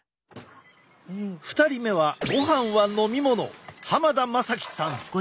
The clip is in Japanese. ２人目はごはんは“飲みもの”田昌紀さん。